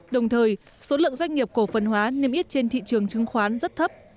đồng thời số lượng doanh nghiệp cổ phần hóa niêm yết trên thị trường chứng khoán rất thấp